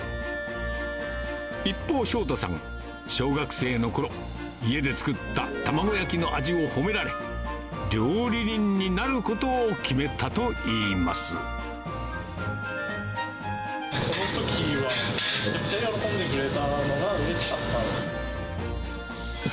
一方、翔太さん、小学生のころ、家で作った卵焼きの味を褒められ、料理人になることを決めたといいそのときは、めっちゃ喜んでくれたのがうれしかった。